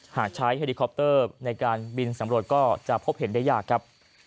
หากใช้เฮลิคอปเตอร์ในการบินสำรวจก็จะพบเห็นได้ยากครับ